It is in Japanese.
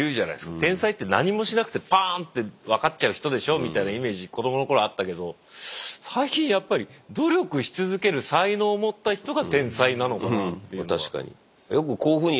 天才って何もしなくてパーンって分かっちゃう人でしょみたいなイメージ子供の頃あったけど最近やっぱり努力し続ける才能を持った人が天才なのかなっていうのが。